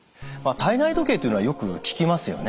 体内時計というのはよく聞きますよね。